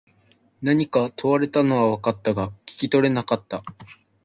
何か問われたのは分かったが、聞き取れなかった。